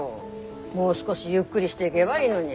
もう少しゆっくりしていげばいいのに。